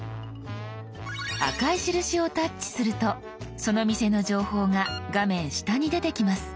赤い印をタッチするとその店の情報が画面下に出てきます。